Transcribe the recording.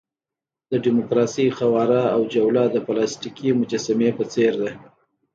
د ډیموکراسۍ قواره او جوله د پلاستیکي مجسمې په څېر ده.